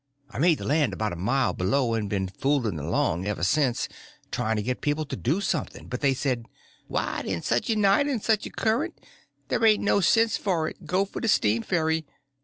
I made the land about a mile below, and been fooling along ever since, trying to get people to do something, but they said, 'What, in such a night and such a current? There ain't no sense in it; go for the steam ferry.